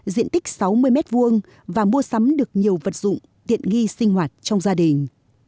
diện tích sáu mươi m hai và mua sắm được nhiều vật dụng tiện nghi sinh hoạt trong gia đình